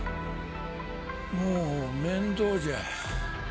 もう面倒じゃ。